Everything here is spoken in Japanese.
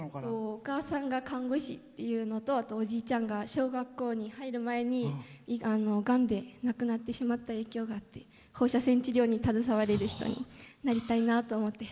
お母さんが看護師っていうのとあと、おじいちゃんが小学校に入る前にがんで亡くなってしまった影響があって放射線治療に携われる人になりたいなと思って。